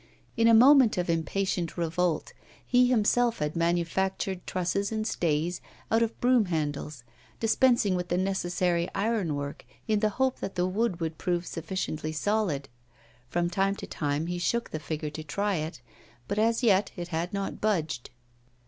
In a moment of impatient revolt he himself had manufactured trusses and stays out of broom handles, dispensing with the necessary iron work in the hope that the wood would prove sufficiently solid. From time to time he shook the figure to try it, but as yet it had not budged.